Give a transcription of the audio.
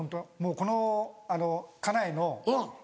「この家内の」って。